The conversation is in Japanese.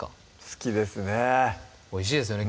好きですねおいしいですよね